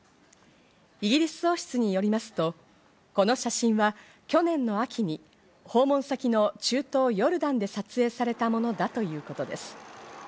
イギリス王室によりますと、この写真は去年の秋に訪問先の中東ヨルダンで撮影されたものだということです。